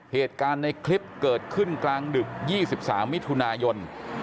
เหตุการณ์ในคลิปเกิดขึ้นกลางดึก๒๓มิถุนายน